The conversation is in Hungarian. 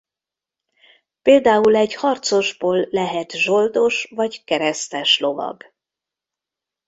Például egy harcosból lehet zsoldos vagy keresztes lovag.